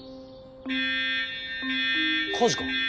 火事か？